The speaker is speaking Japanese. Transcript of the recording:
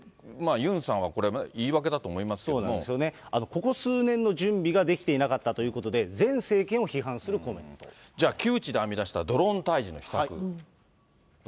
ユンさんはこれ、そうなんですよね、ここ数年の準備ができていなかったということで、前政権を批判すじゃあ、窮地で編み出したドローン退治の秘策。